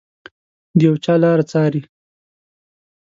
د یو چا لاره څاري